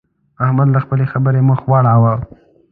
احمد له خپلې خبرې مخ واړاوو.